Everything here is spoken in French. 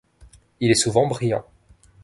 Il est souvent brillant.